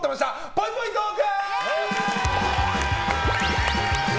ぽいぽいトーク！